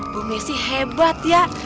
bu messi hebat ya